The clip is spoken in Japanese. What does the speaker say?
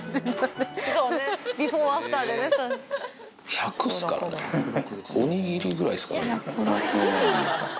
１００っすからね、お握りぐらいっすからね。